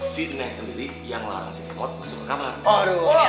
si neng sendiri yang larang